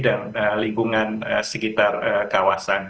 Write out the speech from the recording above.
dan lingkungan sekitar kawasan